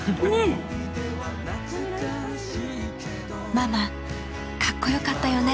ママかっこよかったよね！